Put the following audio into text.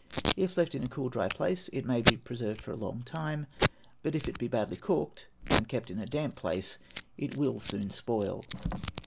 If kept in a cool dry place, it may be preserved for a long time; but if it be badly corked, and kept in a damp place, it will soon spoil.